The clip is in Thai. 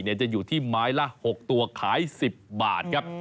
จะอยู่ที่ไม้ละ๖ตัวขาย๑๐บาทครับ